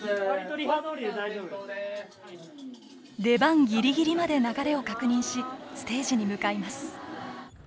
出番ギリギリまで流れを確認しステージに向かいます。